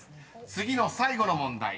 ［次の最後の問題